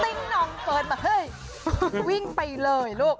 ติ้งน้องเปิดแบบเฮ้ยวิ่งไปเลยลูก